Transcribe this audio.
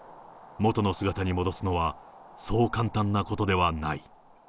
元の姿に戻すのは、そう簡単なことではない。